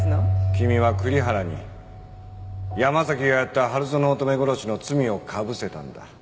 君は栗原に山崎がやった春薗乙女殺しの罪を被せたんだ。